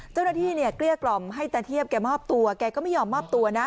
เจ้าหน้าที่เนี่ยเกลี้ยกล่อมให้ตาเทียบแกมอบตัวแกก็ไม่ยอมมอบตัวนะ